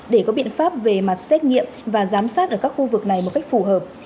để có biện pháp về mặt xét nghiệm và giám sát ở các khu vực này một cách phù hợp